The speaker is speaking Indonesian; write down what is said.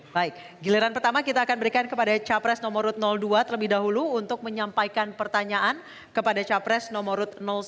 baik giliran pertama kita akan berikan kepada capres nomor dua terlebih dahulu untuk menyampaikan pertanyaan kepada capres nomor satu